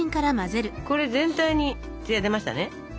これ全体にツヤ出ましたね？